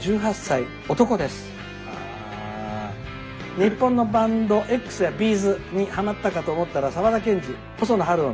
「日本のバンドＸやＢ’ｚにはまったかと思ったら沢田研二細野晴臣